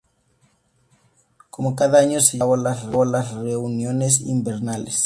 Como cada año se llevaron a cabo las reuniones invernales.